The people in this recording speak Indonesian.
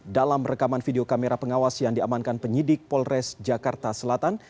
dalam rekaman video kamera pengawas yang diamankan penyidik polres jakarta selatan